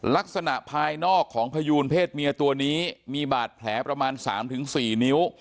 ลักษณะภายนอกของพยูนเพศเมียตัวนี้มีบาดแผลประมาณสามถึงสี่นิ้ว